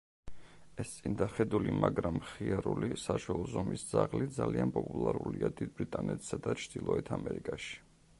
ეს წინდახედული, მაგრამ მხიარული, საშუალო ზომის ძაღლი ძალიან პოპულარულია დიდ ბრიტანეთსა და ჩრდილოეთ ამერიკაში.